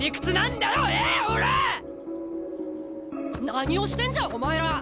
何をしてんじゃお前ら！